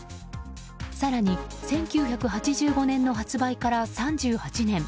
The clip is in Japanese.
更に１９８５年の発売から３８年。